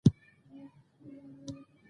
د لیمو پوستکي عطر لري.